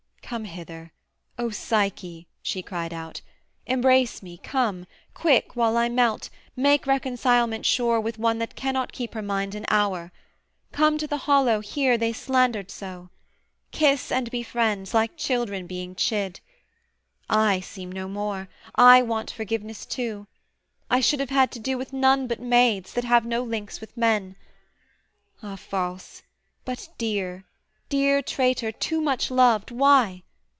'Come hither. O Psyche,' she cried out, 'embrace me, come, Quick while I melt; make reconcilement sure With one that cannot keep her mind an hour: Come to the hollow hear they slander so! Kiss and be friends, like children being chid! I seem no more: I want forgiveness too: I should have had to do with none but maids, That have no links with men. Ah false but dear, Dear traitor, too much loved, why?